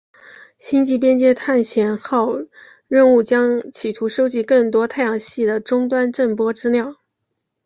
星际边界探险号任务将企图收集更多太阳系的终端震波资料。